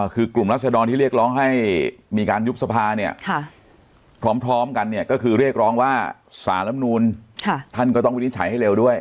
คือกลุ่มรัศดรที่เรียกร้องให้มีการยุบสภาเนี่ยพร้อมกันเนี่ยก็คือเรียกร้องว่าสารลำนูนท่านก็ต้องวินิจฉัยให้เร็วด้วย